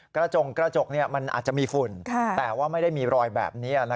กระจกมันอาจจะมีฝุ่นแต่ว่าไม่ได้มีรอยแบบนี้